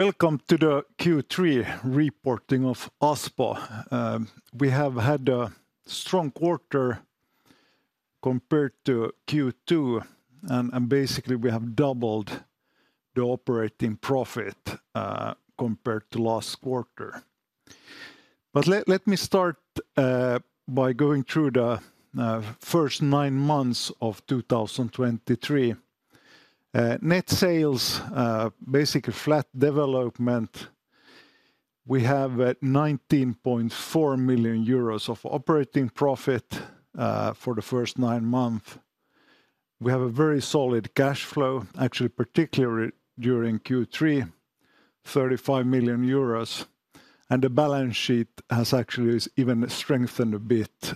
Welcome to the Q3 Reporting of Aspo. We have had a strong quarter compared to Q2, and basically, we have doubled the operating profit compared to last quarter. But let me start by going through the first nine months of 2023. Net sales basically flat development. We have 19.4 million euros of operating profit for the first nine months. We have a very solid cash flow, actually, particularly during Q3, 35 million euros, and the balance sheet has actually even strengthened a bit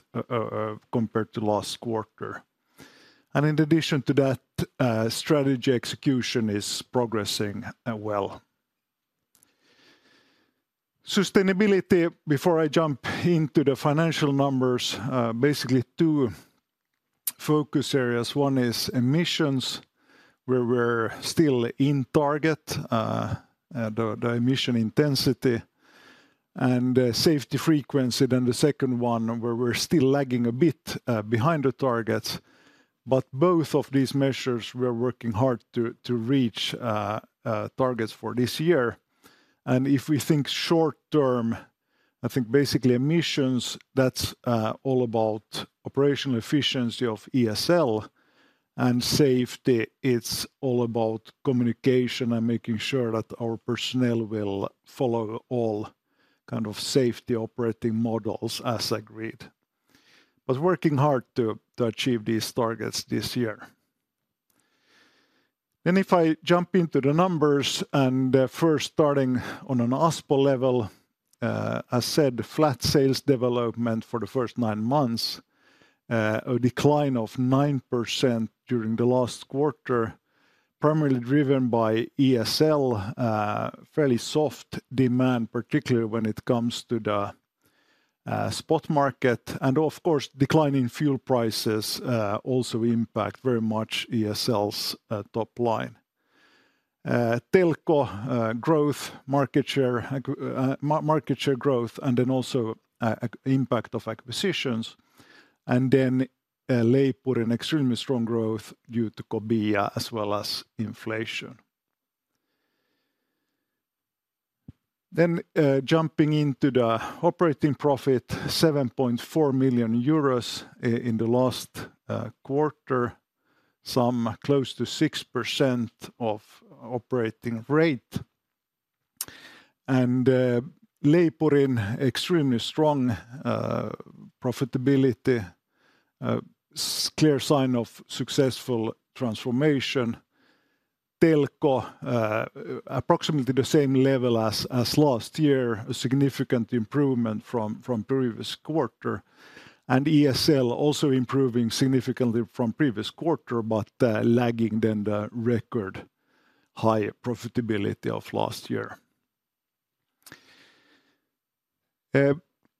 compared to last quarter. And in addition to that, strategy execution is progressing well. Sustainability, before I jump into the financial numbers, basically two focus areas. One is emissions, where we're still in target, the emission intensity and safety frequency, then the second one, where we're still lagging a bit behind the targets. But both of these measures, we are working hard to reach targets for this year. And if we think short term, I think basically emissions, that's all about operational efficiency of ESL, and safety, it's all about communication and making sure that our personnel will follow all kind of safety operating models as agreed. But working hard to achieve these targets this year. Then if I jump into the numbers, and first starting on an Aspo level, I said flat sales development for the first nine months, a decline of 9% during the last quarter, primarily driven by ESL, fairly soft demand, particularly when it comes to the spot market. And of course, declining fuel prices also impact very much ESL's top line. Telko, growth, market share growth, and then also impact of acquisitions, and then Leipurin, extremely strong growth due to Kobia as well as inflation. Then jumping into the operating profit, 7.4 million euros in the last quarter, some close to 6% of operating rate. And Leipurin, extremely strong profitability, a clear sign of successful transformation. Telko, approximately the same level as last year, a significant improvement from previous quarter, and ESL also improving significantly from previous quarter, but lagging than the record high profitability of last year.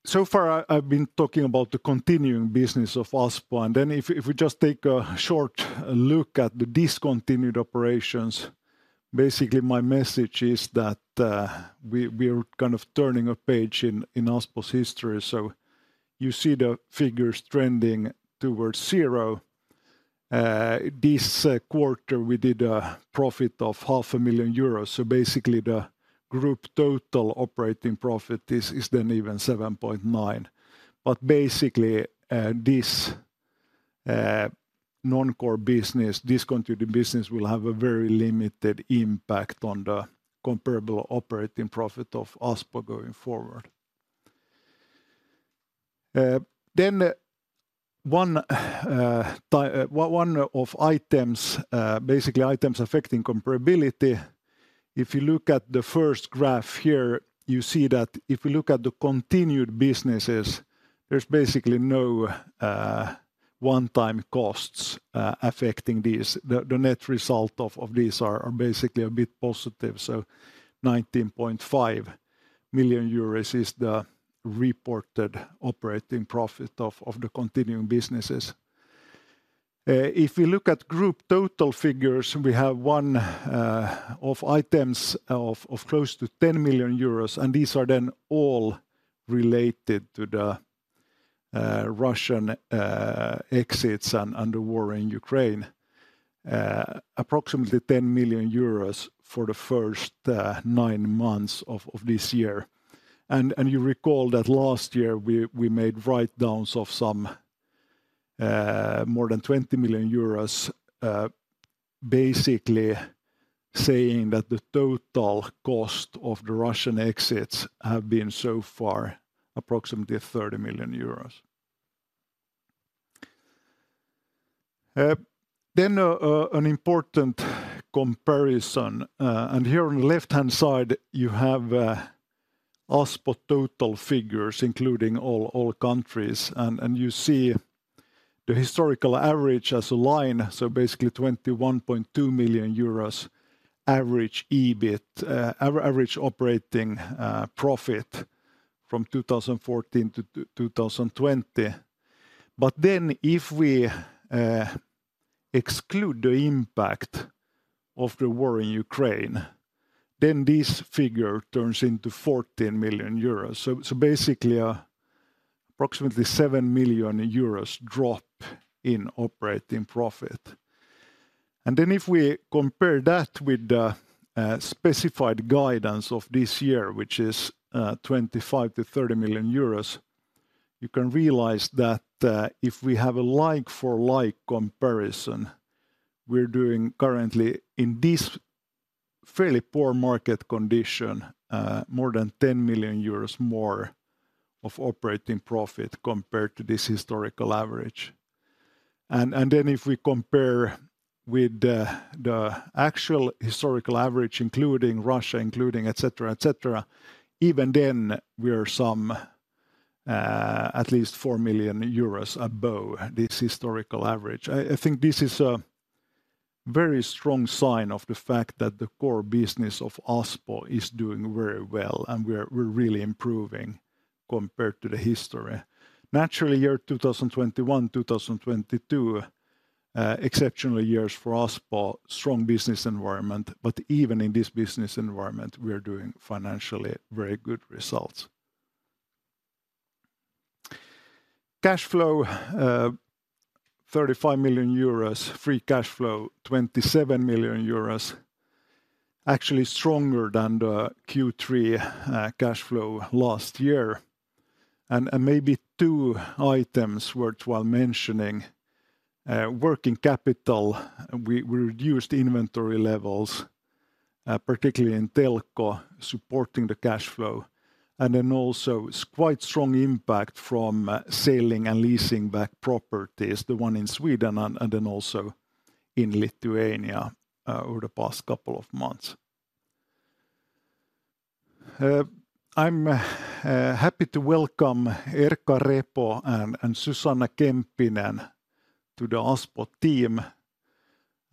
So far, I've been talking about the continuing business of Aspo, and then if we just take a short look at the discontinued operations, basically my message is that we are kind of turning a page in Aspo's history. So you see the figures trending towards zero. This quarter, we did a profit of 500,000 euros, so basically the group total operating profit is then even 7.9 million. But basically, this non-core business, discontinued business, will have a very limited impact on the comparable operating profit of Aspo going forward. Then, one-off items, basically items affecting comparability. If you look at the first graph here, you see that if you look at the continued businesses, there's basically no one-time costs affecting these. The net result of these are basically a bit positive, so 19.5 million euros is the reported operating profit of the continuing businesses. If we look at group total figures, we have one-off items of close to 10 million euros, and these are then all related to the Russian exits and the war in Ukraine. Approximately 10 million euros for the first nine months of this year. You recall that last year, we made write-downs of some more than EUR 20 million, basically saying that the total cost of the Russian exits have been so far approximately 30 million euros. Then, an important comparison, and here on the left-hand side, you have Aspo total figures, including all countries, and you see the historical average as a line, so basically 21.2 million euros average EBIT, average operating profit from 2014 to 2020. But then, if we exclude the impact of the war in Ukraine, then this figure turns into 14 million euros. So basically, approximately 7 million euros drop in operating profit. Then if we compare that with the specified guidance of this year, which is 25-30 million euros, you can realize that if we have a like for like comparison, we're doing currently, in this fairly poor market condition, more than 10 million euros more of operating profit compared to this historical average. And then if we compare with the actual historical average, including Russia, including et cetera, et cetera, even then, we are some at least 4 million euros above this historical average. I think this is a very strong sign of the fact that the core business of Aspo is doing very well, and we're really improving compared to the history. Naturally, year 2021, 2022, exceptional years for Aspo, strong business environment. But even in this business environment, we are doing financially very good results. Cash flow 35 million euros. Free cash flow 27 million euros. Actually stronger than the Q3 cash flow last year. And maybe two items worthwhile mentioning. Working capital, we reduced inventory levels, particularly in Telko, supporting the cash flow, and then also quite strong impact from selling and leasing back properties, the one in Sweden and then also in Lithuania, over the past couple of months. I'm happy to welcome Erkka Repo and Susanna Kemppinen to the Aspo team.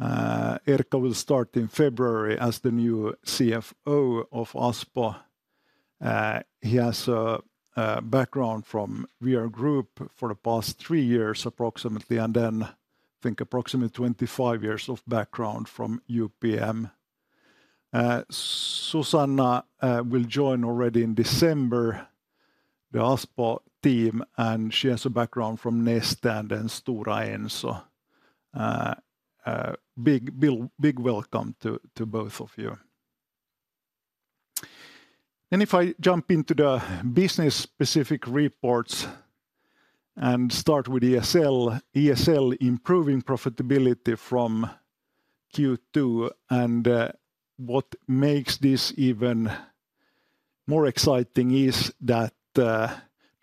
Erkka will start in February as the new CFO of Aspo. He has a background from VR Group for the past three years, approximately, and then I think approximately 25 years of background from UPM. Susanna will join already in December the Aspo team, and she has a background from Neste and then Stora Enso. Big welcome to both of you. Then if I jump into the business-specific reports and start with ESL. ESL improving profitability from Q2, and what makes this even more exciting is that the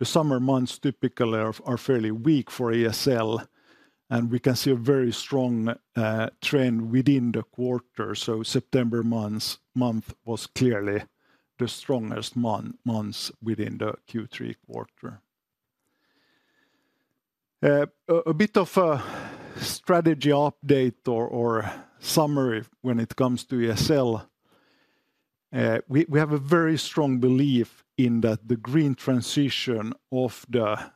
summer months typically are fairly weak for ESL, and we can see a very strong trend within the quarter. So September month was clearly the strongest month within the Q3 quarter. A bit of a strategy update or summary when it comes to ESL. We have a very strong belief in that the green transition of the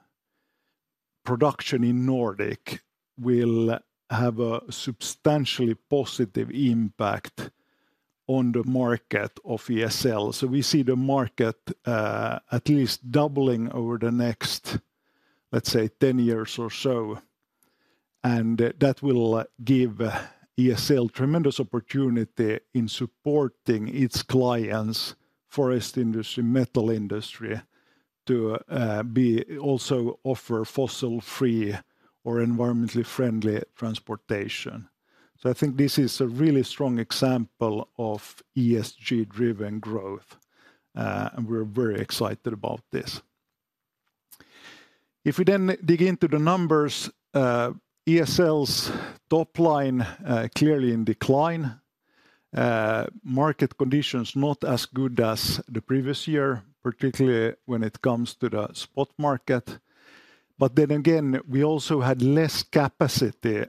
production in Nordic will have a substantially positive impact on the market of ESL. So we see the market at least doubling over the next, let's say, 10 years or so, and that will give ESL tremendous opportunity in supporting its clients, forest industry, metal industry, to also offer fossil-free or environmentally friendly transportation. So I think this is a really strong example of ESG-driven growth, and we're very excited about this. If we then dig into the numbers, ESL's top line clearly in decline. Market conditions not as good as the previous year, particularly when it comes to the spot market. But then again, we also had less capacity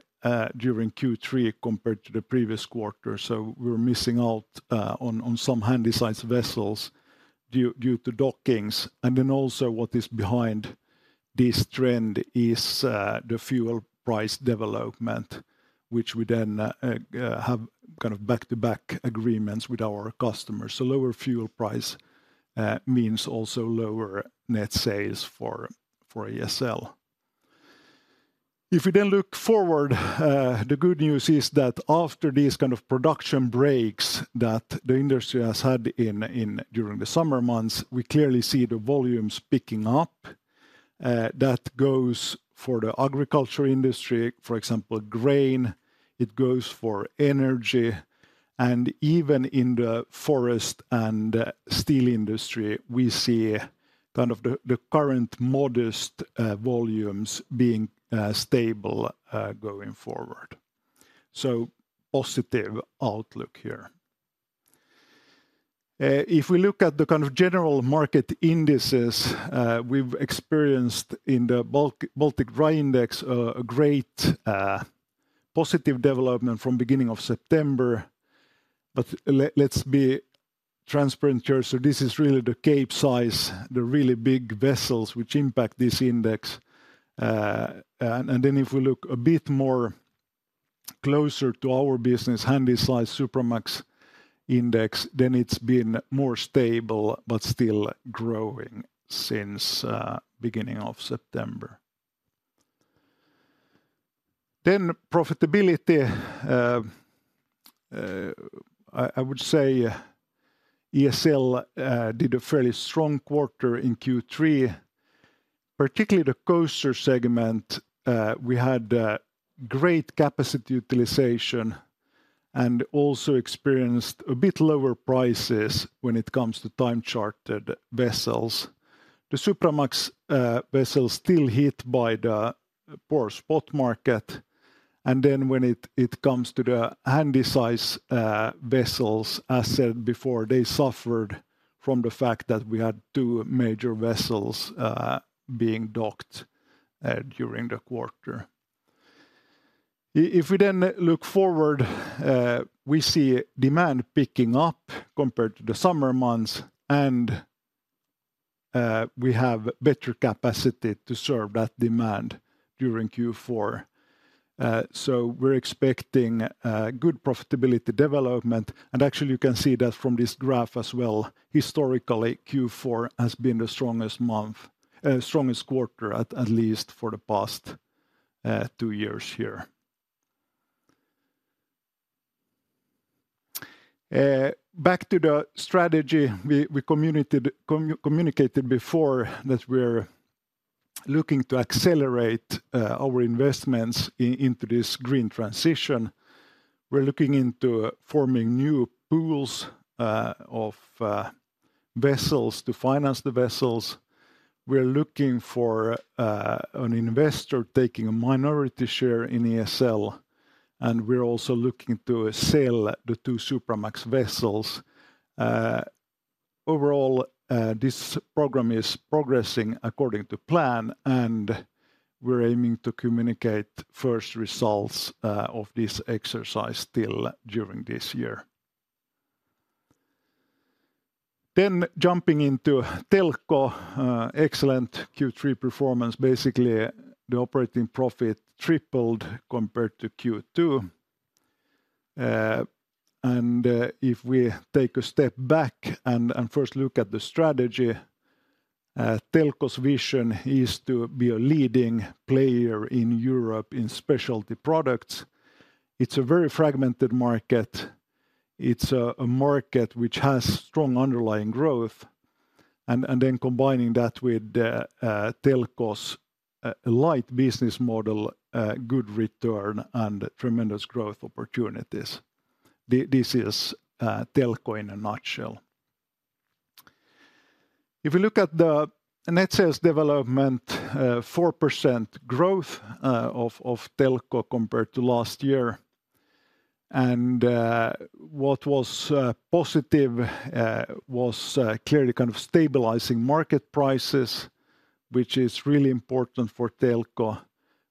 during Q3 compared to the previous quarter, so we were missing out on some Handysize vessels due to dockings. Then also what is behind this trend is, the fuel price development, which we then, have kind of back-to-back agreements with our customers. So lower fuel price, means also lower net sales for, for ESL. If we then look forward, the good news is that after these kind of production breaks that the industry has had in during the summer months, we clearly see the volumes picking up. That goes for the agriculture industry, for example, grain, it goes for energy, and even in the forest and steel industry, we see kind of the, the current modest, volumes being, stable, going forward. So positive outlook here. If we look at the kind of general market indices, we've experienced in the Baltic Dry Index, a, a great, positive development from beginning of September. But let's be transparent here. So this is really the Capesize, the really big vessels which impact this index. And then if we look a bit more closer to our business, Handysize Supramax index, then it's been more stable, but still growing since beginning of September. Then profitability. I would say ESL did a fairly strong quarter in Q3, particularly the coaster segment. We had great capacity utilization and also experienced a bit lower prices when it comes to time-chartered vessels. The Supramax vessels still hit by the poor spot market, and then when it comes to the Handysize vessels, as said before, they suffered from the fact that we had two major vessels being docked during the quarter. If we then look forward, we see demand picking up compared to the summer months, and we have better capacity to serve that demand during Q4. So we're expecting good profitability development, and actually, you can see that from this graph as well. Historically, Q4 has been the strongest quarter, at least for the past two years here. Back to the strategy, we communicated before, that we're looking to accelerate our investments into this green transition. We're looking into forming new pools of vessels to finance the vessels. We're looking for an investor taking a minority share in ESL, and we're also looking to sell the two Supramax vessels. Overall, this program is progressing according to plan, and we're aiming to communicate first results of this exercise still during this year. Then jumping into Telko, excellent Q3 performance. Basically, the operating profit tripled compared to Q2. And if we take a step back and first look at the strategy, Telko's vision is to be a leading player in Europe in specialty products. It's a very fragmented market. It's a market which has strong underlying growth, and then combining that with Telko's light business model, good return, and tremendous growth opportunities. This is Telko in a nutshell. If you look at the net sales development, 4% growth of Telko compared to last year. What was positive was clearly kind of stabilizing market prices, which is really important for Telko,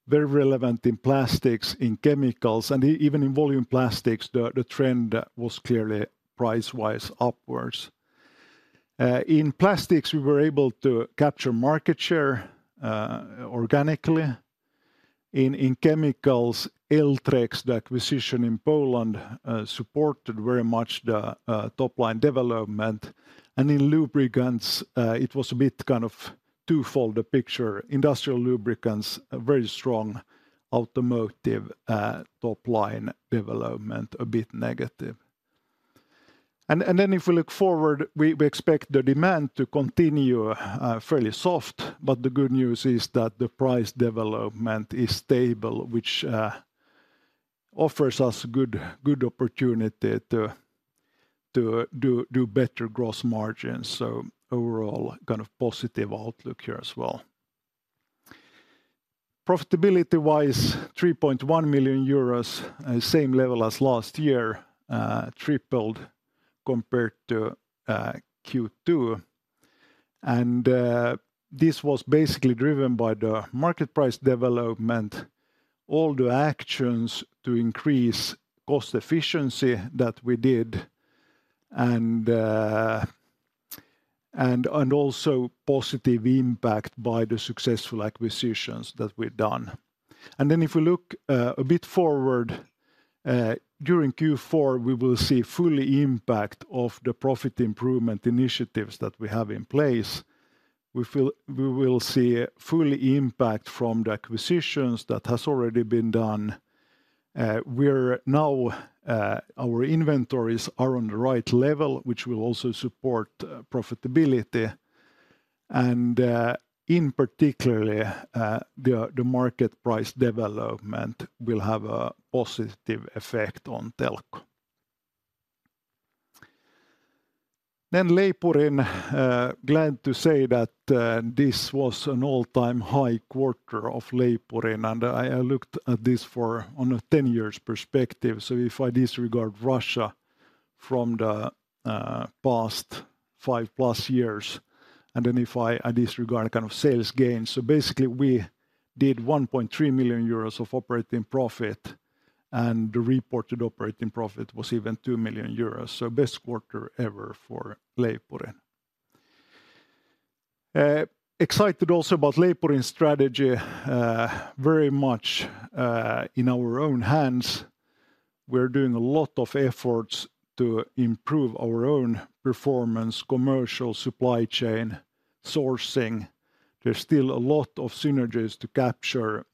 very relevant in plastics, in chemicals. Even in volume plastics, the trend was clearly price-wise upwards. In plastics, we were able to capture market share organically. In chemicals, Eltrex, the acquisition in Poland, supported very much the top-line development. In lubricants, it was a bit kind of twofold, the picture. Industrial lubricants, a very strong; automotive, top-line development, a bit negative. Then if we look forward, we expect the demand to continue fairly soft, but the good news is that the price development is stable, which offers us good opportunity to do better gross margins, so overall, kind of positive outlook here as well. Profitability-wise, 3.1 million euros, same level as last year, tripled compared to Q2. This was basically driven by the market price development, all the actions to increase cost efficiency that we did, and also positive impact by the successful acquisitions that we've done. Then, if we look a bit forward, during Q4, we will see full impact of the profit improvement initiatives that we have in place. We feel—we will see full impact from the acquisitions that has already been done. We're now our inventories are on the right level, which will also support profitability. And in particular, the market price development will have a positive effect on Telko. Leipurin, glad to say that this was an all-time high quarter of Leipurin, and I looked at this from a 10-year perspective. So if I disregard Russia from the past five plus years, and then if I disregard kind of sales gains, so basically we did 1.3 million euros of operating profit, and the reported operating profit was even 2 million euros. So best quarter ever for Leipurin. Excited also about Leipurin's strategy, very much in our own hands. We're doing a lot of efforts to improve our own performance, commercial supply chain, sourcing. There's still a lot of synergies to capture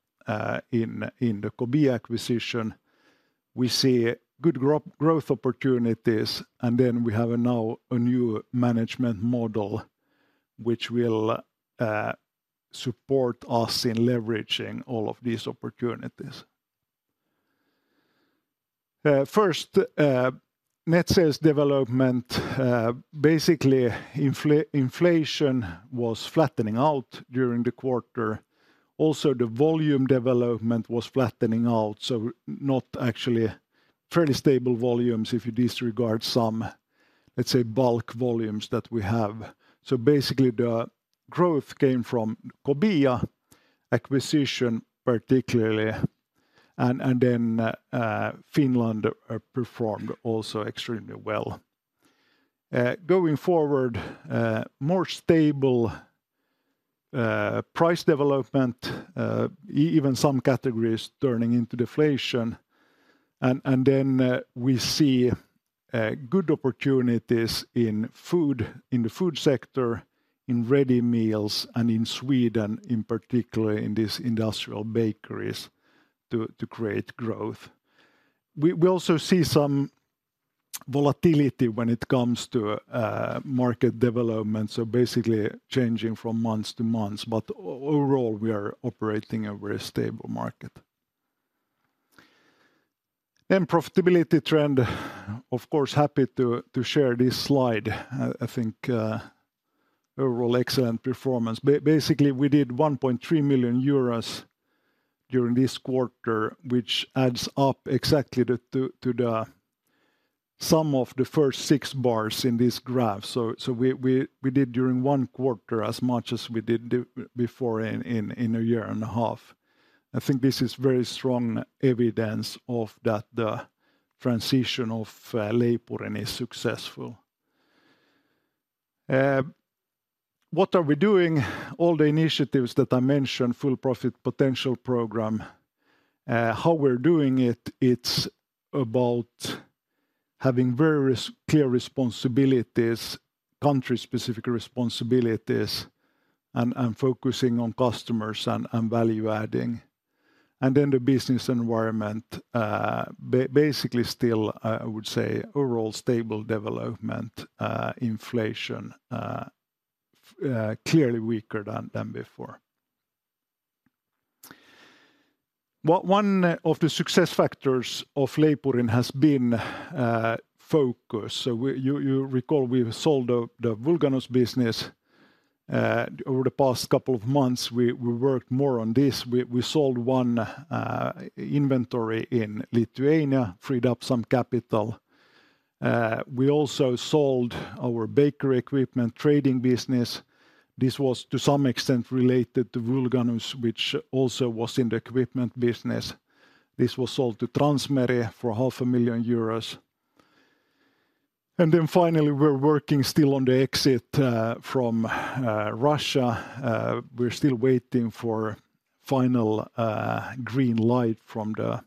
in the Kobia acquisition. We see good growth opportunities, and then we have now a new management model, which will support us in leveraging all of these opportunities. First, net sales development, basically, inflation was flattening out during the quarter. Also, the volume development was flattening out, so not actually fairly stable volumes, if you disregard some, let's say, bulk volumes that we have. So basically, the growth came from Kobia acquisition, particularly, and, and then, Finland performed also extremely well. Going forward, more stable price development, even some categories turning into deflation. And, and then, we see good opportunities in food, in the food sector, in ready meals, and in Sweden, in particular, in these industrial bakeries, to create growth. We also see some volatility when it comes to market development, so basically changing from months to months, but overall, we are operating a very stable market. Then profitability trend. Of course, happy to share this slide. I think, overall excellent performance. Basically, we did 1.3 million euros during this quarter, which adds up exactly to the sum of the first six bars in this graph. So we did during one quarter as much as we did before in a year and a half. I think this is very strong evidence of that the transition of Leipurin is successful. What are we doing? All the initiatives that I mentioned, Full Profit Potential program, how we're doing it, it's about having very clear responsibilities, country-specific responsibilities, and focusing on customers and value adding. And then the business environment, basically, still, I would say, overall stable development. Inflation clearly weaker than before. One of the success factors of Leipurin has been focus. So you recall, we've sold the Vulganus business. Over the past couple of months, we worked more on this. We sold one inventory in Lithuania, freed up some capital. We also sold our bakery equipment trading business. This was, to some extent, related to Vulganus, which also was in the equipment business. This was sold to Transmeri for 500,000 euros. And then finally, we're still working on the exit from Russia. We're still waiting for final green light from the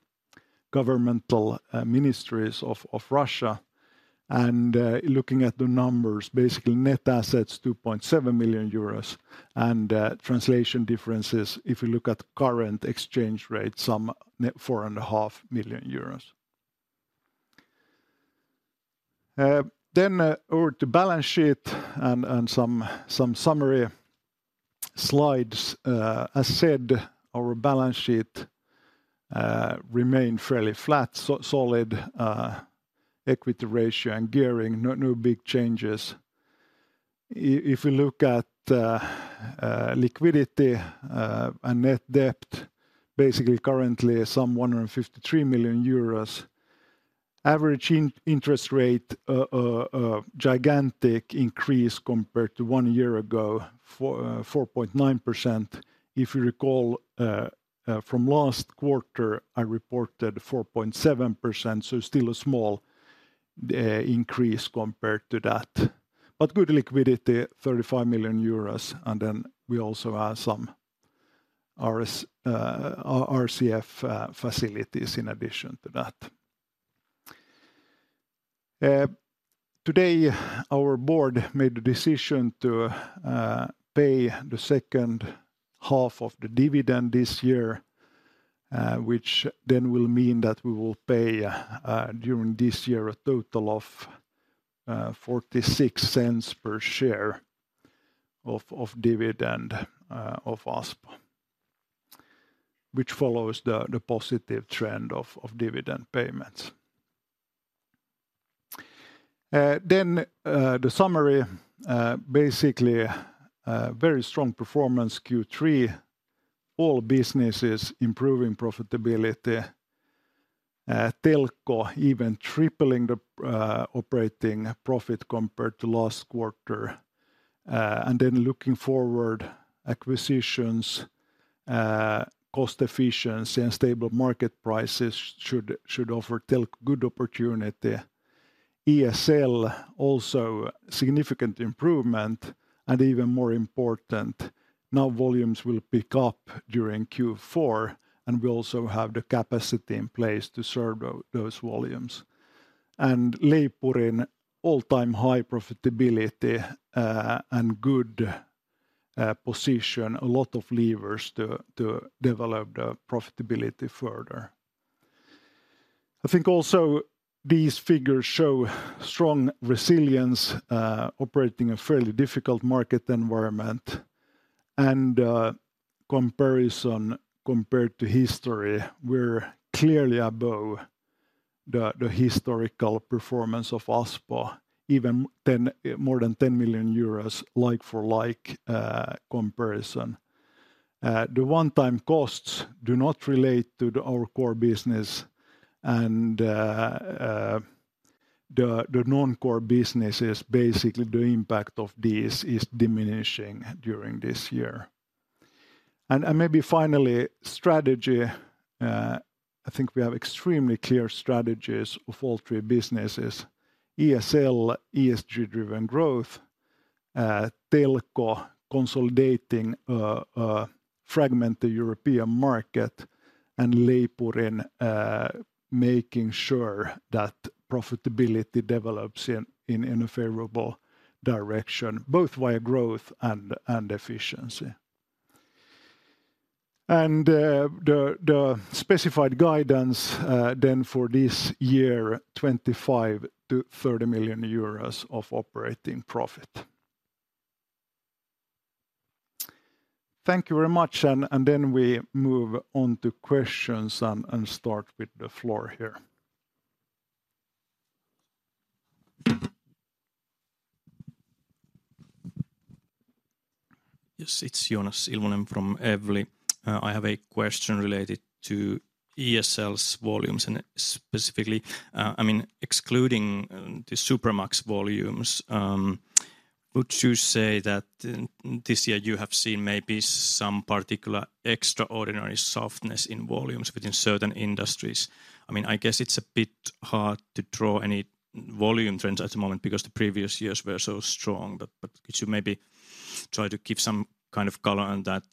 governmental ministries of Russia. And looking at the numbers, basically net assets, 2.7 million euros, and translation differences, if you look at current exchange rate, some net 4.5 million euros. Then, over to balance sheet and some summary slides. As said, our balance sheet remained fairly flat, so solid equity ratio and gearing, no big changes. If we look at liquidity and net debt, basically currently some 153 million euros. Average interest rate, a gigantic increase compared to one year ago, 4.9%. If you recall, from last quarter, I reported 4.7%, so still a small increase compared to that. But good liquidity, 35 million euros, and then we also have some RCF facilities in addition to that. Today, our board made the decision to pay the second half of the dividend this year, which then will mean that we will pay, during this year, a total of 0.46 per share of dividend of Aspo, which follows the positive trend of dividend payments. Then, the summary, basically, a very strong performance, Q3. All businesses improving profitability. Telko even tripling the operating profit compared to last quarter. And then looking forward, acquisitions, cost efficiency, and stable market prices should offer Telko good opportunity. ESL also significant improvement, and even more important, now volumes will pick up during Q4, and we also have the capacity in place to serve those volumes. And Leipurin, all-time high profitability, and good position, a lot of levers to develop the profitability further. I think also these figures show strong resilience operating a fairly difficult market environment. Compared to history, we're clearly above the historical performance of Aspo, even more than 10 million euros, like for like comparison. The one-time costs do not relate to our core business, and the non-core business is basically the impact of this is diminishing during this year. And maybe finally, strategy. I think we have extremely clear strategies of all three businesses. ESL, ESG-driven growth, Telko consolidating the fragmented European market, and Leipurin making sure that profitability develops in a favorable direction, both via growth and efficiency. And the specified guidance then for this year, 25-30 million euros of operating profit. Thank you very much, and then we move on to questions and start with the floor here. Yes, it's Joonas Ilvonen from Evli. I have a question related to ESL's volumes, and specifically, I mean, excluding the Supramax volumes, would you say that in this year you have seen maybe some particular extraordinary softness in volumes within certain industries? I mean, I guess it's a bit hard to draw any volume trends at the moment because the previous years were so strong. But, but could you maybe try to give some kind of color on that?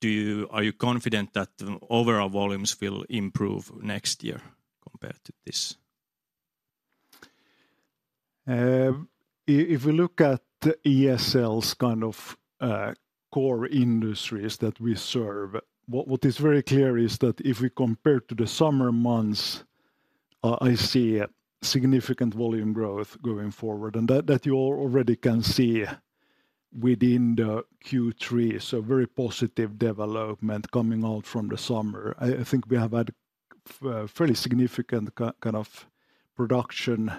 Do you? Are you confident that the overall volumes will improve next year compared to this? If we look at ESL's kind of core industries that we serve, what is very clear is that if we compare to the summer months, I see a significant volume growth going forward, and that you already can see within the Q3, so very positive development coming out from the summer. I think we have had fairly significant kind of production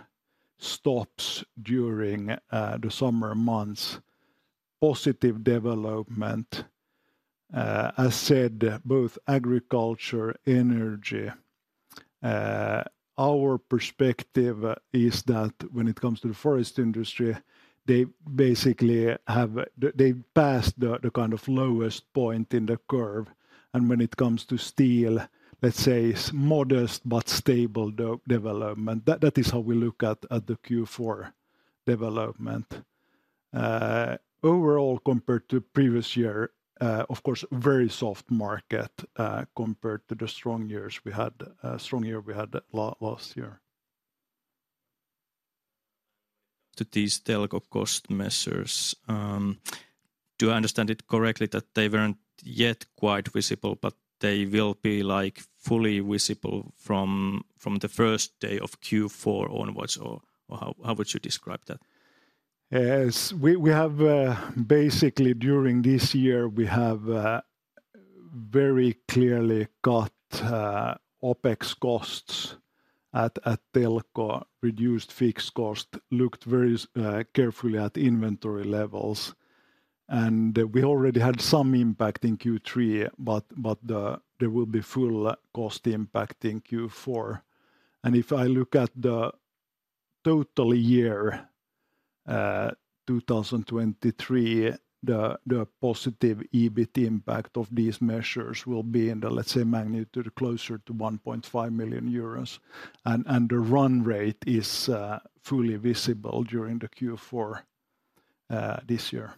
stops during the summer months. Positive development, as said, both agriculture, energy. Our perspective is that when it comes to the forest industry, they basically have passed the kind of lowest point in the curve. And when it comes to steel, let's say it's modest but stable development. That is how we look at the Q4 development. Overall, compared to previous year, of course, very soft market, compared to the strong years we had, strong year we had last year. To these Telko cost measures, do I understand it correctly that they weren't yet quite visible, but they will be, like, fully visible from the first day of Q4 onwards, or how would you describe that? Yes, we have. Basically, during this year, we have very clearly cut OpEx costs at Telko, reduced fixed cost, looked very carefully at inventory levels, and we already had some impact in Q3, but there will be full cost impact in Q4. And if I look at the total year 2023, the positive EBIT impact of these measures will be in the, let's say, magnitude closer to 1.5 million euros. And the run rate is fully visible during the Q4 this year.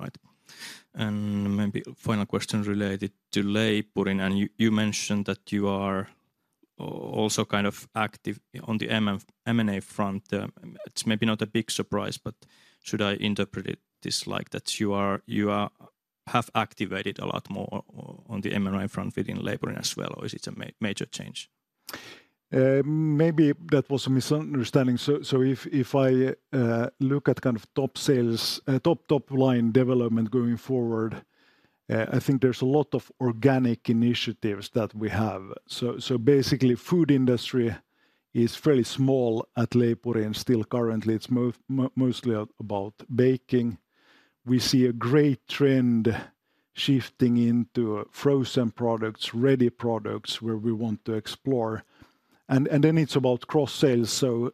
Right. Maybe final question related to Leipurin, and you mentioned that you are also kind of active on the M&A front. It's maybe not a big surprise, but should I interpret it this, like, that you are, you have activated a lot more on the M&A front within Leipurin as well, or is it a major change? Maybe that was a misunderstanding. So if I look at kind of top sales, top line development going forward, I think there's a lot of organic initiatives that we have. So basically, food industry is fairly small at Leipurin, and still currently it's mostly about baking. We see a great trend shifting into frozen products, ready products, where we want to explore. And then it's about cross sales. So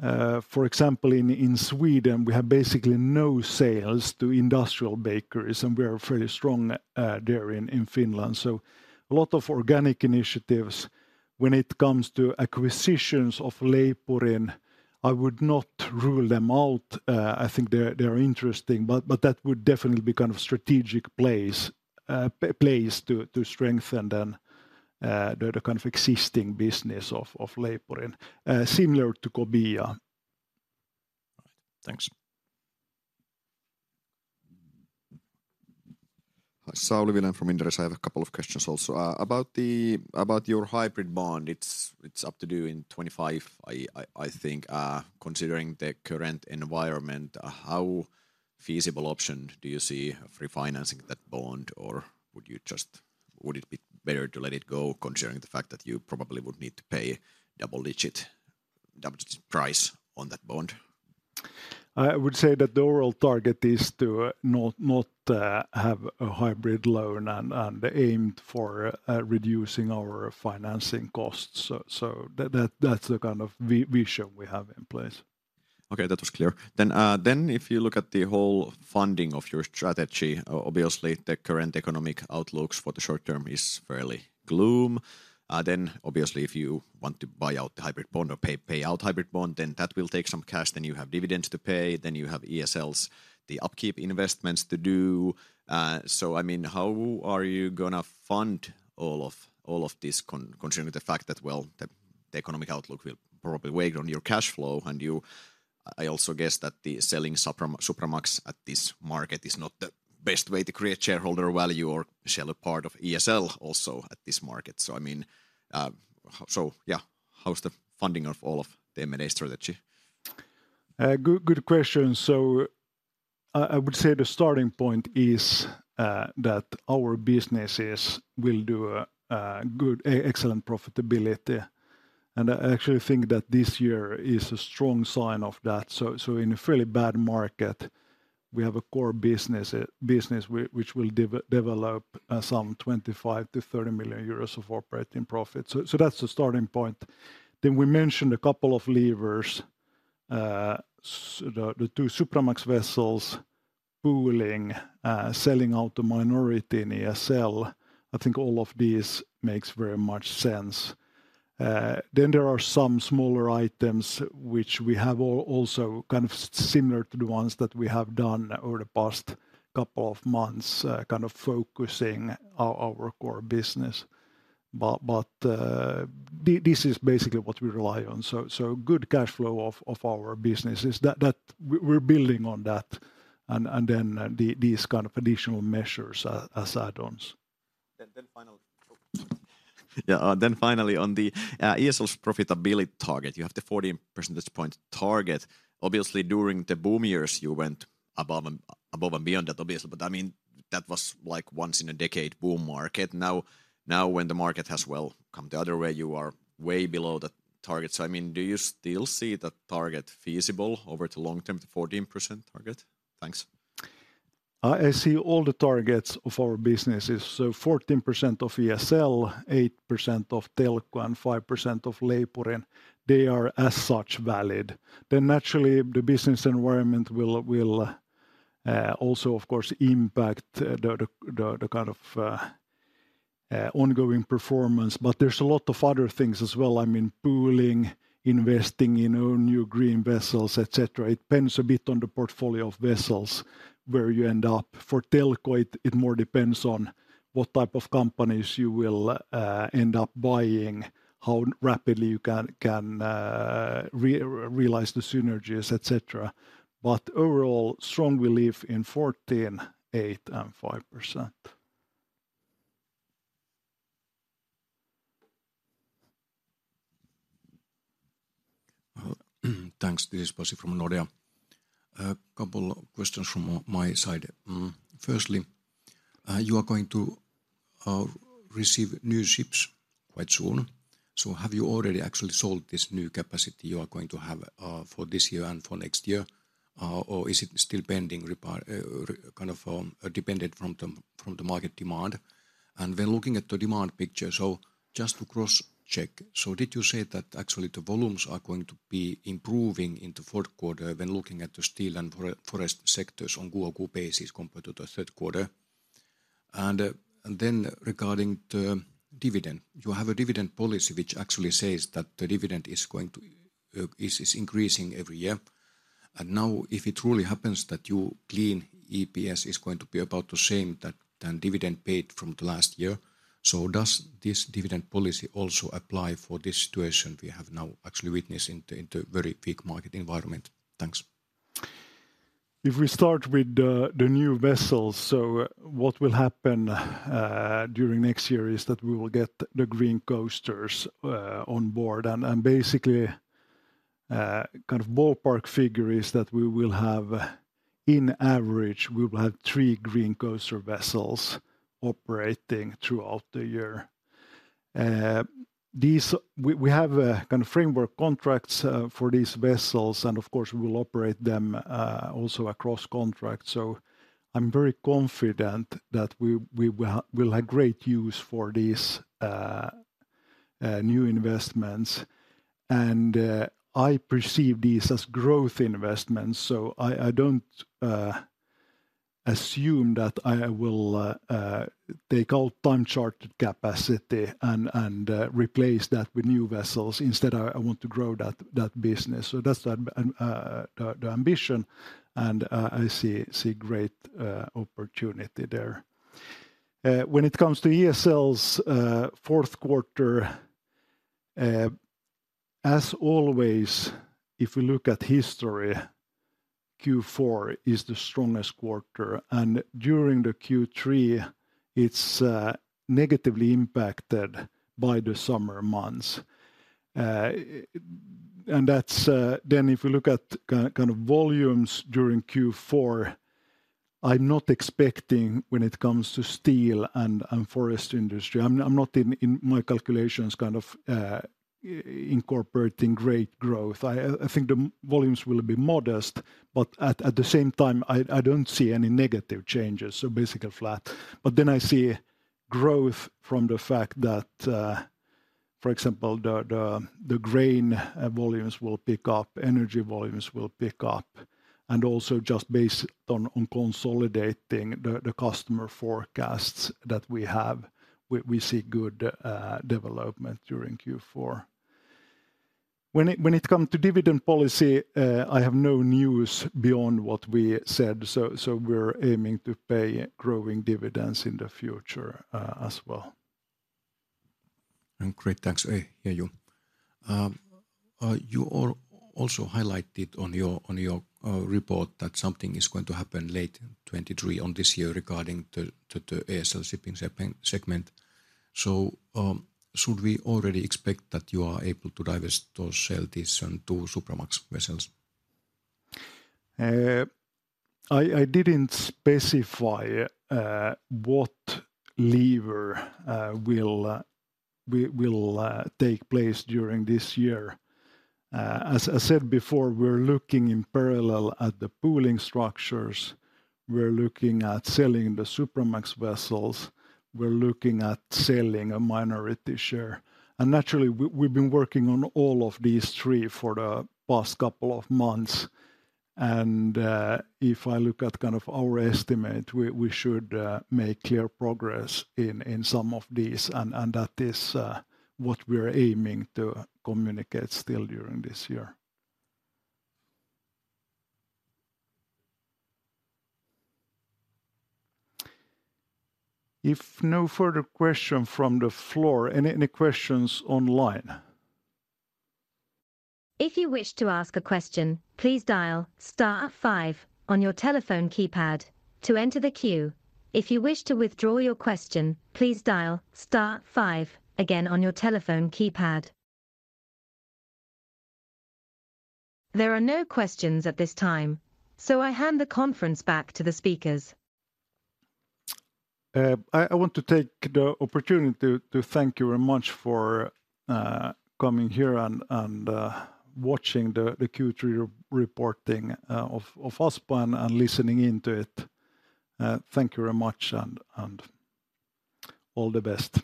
for example, in Sweden, we have basically no sales to industrial bakeries, and we are fairly strong there in Finland. So a lot of organic initiatives. When it comes to acquisitions of Leipurin, I would not rule them out. I think they're interesting, but that would definitely be kind of a strategic place to strengthen the kind of existing business of Leipurin, similar to Kobia. Thanks. Hi, Sauli Vilén from Inderes. I have a couple of questions also. About your hybrid bond, it's up to you in 2025. I think, considering the current environment, how feasible option do you see of refinancing that bond, or would you just, would it be better to let it go, considering the fact that you probably would need to pay double digit, double digit price on that bond? I would say that the overall target is to not have a hybrid loan and aimed for reducing our financing costs. So that, that's the kind of vision we have in place. Okay, that was clear. Then if you look at the whole funding of your strategy, obviously, the current economic outlooks for the short term is fairly gloomy. Then obviously, if you want to buy out the hybrid bond or pay out hybrid bond, then that will take some cash, then you have dividends to pay, then you have ESL's, the upkeep investments to do. So I mean, how are you gonna fund all of, all of this considering the fact that, well, the, the economic outlook will probably weigh on your cash flow? And you, I also guess that the selling Supramax at this market is not the best way to create shareholder value or sell a part of ESL also at this market. So I mean, so yeah, how's the funding of all of the M&A strategy? Good, good question. So I would say the starting point is that our businesses will do a good, excellent profitability. I actually think that this year is a strong sign of that. So in a fairly bad market, we have a core business which will develop some 25 million-30 million euros of operating profit. So that's the starting point. Then we mentioned a couple of levers, the two Supramax vessels, pooling, selling out the minority in ESL. I think all of these makes very much sense. Then there are some smaller items which we have also, kind of similar to the ones that we have done over the past couple of months, kind of focusing our core business. This is basically what we rely on. So good cash flow of our business is that we're building on that, and then these kind of additional measures as add-ons. Then finally, yeah, then finally, on the ESL's profitability target, you have the 14 percentage point target. Obviously, during the boom years, you went above and beyond that, obviously, but I mean, that was like once-in-a-decade boom market. Now when the market has, well, come the other way, you are way below the target. So I mean, do you still see that target feasible over the long term, the 14% target? Thanks. I see all the targets of our businesses, so 14% of ESL, 8% of Telko, and 5% of Leipurin, they are as such valid. Then naturally, the business environment will also, of course, impact the kind of ongoing performance. But there's a lot of other things as well. I mean, pooling, investing in new green vessels, etc. It depends a bit on the portfolio of vessels where you end up. For Telko, it more depends on what type of companies you will end up buying, how rapidly you can realize the synergies, etc. But overall, strong belief in 14%, 8%, and 5%. Well, thanks. This is Pasi from Nordea. A couple of questions from my side. Firstly, you are going to receive new ships quite soon, so have you already actually sold this new capacity you are going to have for this year and for next year, or is it still pending kind of dependent from the, from the market demand? And when looking at the demand picture, so just to cross-check, so did you say that actually the volumes are going to be improving in the fourth quarter when looking at the steel and forest sectors on QoQ basis compared to the third quarter? And, and then regarding the dividend, you have a dividend policy which actually says that the dividend is going to, is, is increasing every year. Now, if it really happens that your clean EPS is going to be about the same as the dividend paid from the last year, so does this dividend policy also apply for this situation we have now actually witnessed in the very peak market environment? Thanks. If we start with the new vessels, so what will happen during next year is that we will get the Green Coasters on board. And basically, kind of ballpark figure is that we will have, on average, we will have three Green Coaster vessels operating throughout the year. These, we have kind of framework contracts for these vessels, and of course, we will operate them also across contract. So I'm very confident that we will have great use for these new investments. And I perceive these as growth investments, so I don't assume that I will take all Time Charter capacity and replace that with new vessels. Instead, I want to grow that business. So that's the ambition, and I see great opportunity there. When it comes to ESL's fourth quarter, as always, if we look at history, Q4 is the strongest quarter, and during the Q3, it's negatively impacted by the summer months. And that's. Then if we look at kind of volumes during Q4, I'm not expecting when it comes to steel and forest industry. I'm not in my calculations kind of incorporating great growth. I think the volumes will be modest, but at the same time, I don't see any negative changes, so basically flat. But then I see growth from the fact that, for example, the grain volumes will pick up, energy volumes will pick up, and also just based on consolidating the customer forecasts that we have, we see good development during Q4. When it come to dividend policy, I have no news beyond what we said, so we're aiming to pay growing dividends in the future, as well. Great. Thanks. You also highlighted on your report that something is going to happen late 2023, on this year, regarding the ESL Shipping segment. So, should we already expect that you are able to divest or sell these two Supramax vessels? I didn't specify what lever will take place during this year. As I said before, we're looking in parallel at the pooling structures, we're looking at selling the Supramax vessels, we're looking at selling a minority share. And naturally, we've been working on all of these three for the past couple of months, and if I look at kind of our estimate, we should make clear progress in some of these, and that is what we're aiming to communicate still during this year. If no further question from the floor, any questions online? If you wish to ask a question, please dial star five on your telephone keypad to enter the queue. If you wish to withdraw your question, please dial star five again on your telephone keypad. There are no questions at this time, so I hand the conference back to the speakers. I want to take the opportunity to thank you very much for coming here and watching the Q3 reporting of Aspo and listening in to it. Thank you very much, and all the best.